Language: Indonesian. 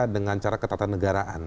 dengan cara ketatanegaraan